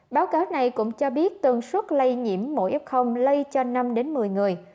báo cáo này cũng cho biết tường suốt lây nhiễm mỗi ếp không lây cho năm một mươi người